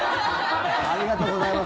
ありがとうございます。